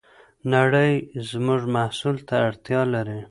نړۍ زموږ محصول ته اړتیا لري.